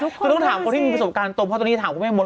ก็ต้องถามคนที่มีประสบการณ์ละตรงนี้ถามพี่เมยมด